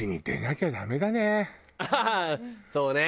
ああそうね。